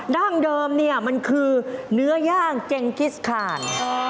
มันเริ่มเนี่ยมันคือเนื้อย่างเจงกิซฆ่าน